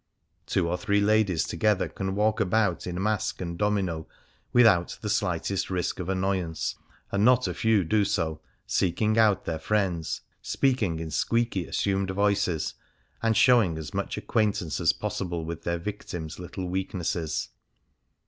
Two or three ladies together can walk about in mask and domino without the slightest risk of annoyance, and not a few do so, seeking out their friends, speaking in squeaky, assumed voices, and showing as much acquaintance as possible with their victims'* little weaknesses.